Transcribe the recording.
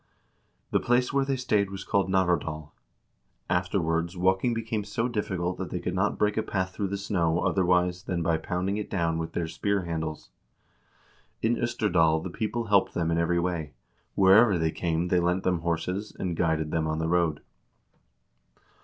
The place where they stayed was called Navardal. Afterwards walking became so difficult that they could not break a path through the snow otherwise than by pounding it down with their spear handles. In 0sterdal the people helped them in every way; wherever they came they lent them horses, and guided them on the road.